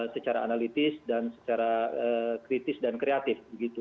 secara analitis dan secara kritis dan kreatif